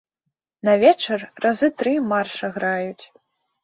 На вечар разы тры марша граюць.